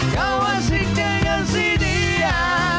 kau asik dengan si dia